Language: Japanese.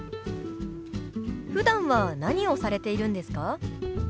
ふだんは何をされているんですか？